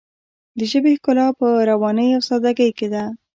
د ژبې ښکلا په روانۍ او ساده ګۍ کې ده.